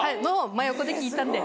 真横で聞いたので。